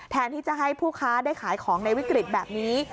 แทนที่จะให้ผู้ค้าได้ขายของในวิกฤตแบบนี้